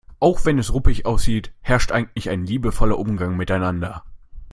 Auch wenn es ruppig aussieht, herrscht eigentlich ein liebevoller Umgang miteinander.